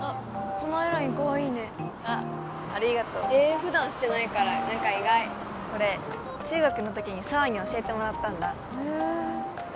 そのアイラインかわいいねあっありがとう普段してないから何か意外これ中学のときに紗羽に教えてもらったんだへえ